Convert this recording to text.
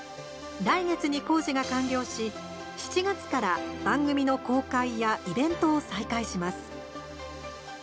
来月に工事が完了し７月から番組の公開やイベントを再開します。